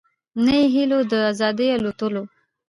نه یې هیله د آزادو الوتلو